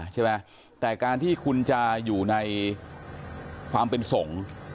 ใช่ไหมแต่การที่คุณจะอยู่ในความเป็นสงฆ์